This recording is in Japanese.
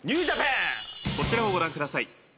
「こちらをご覧ください」